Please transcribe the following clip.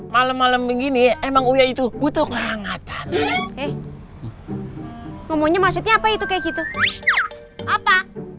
malam malam begini emang iya itu butuh kehangatan eh ngomongnya maksudnya apa itu kayak gitu apa